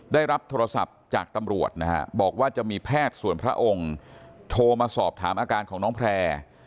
ได้รับโทรศัพท์จากตำรวจนะฮะบอกว่าจะมีแพทย์ส่วนพระองค์โทรมาสอบถามอาการของน้องแพร่